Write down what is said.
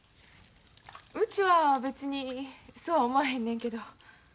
うちは別にそうは思わへんねんけど。